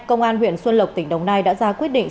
công an huyện xuân lộc tỉnh đồng nai đã ra quyết định